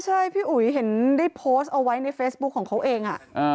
ใช่พี่อุ๋ยเห็นได้โพสต์เอาไว้ในเฟซบุ๊คของเขาเอง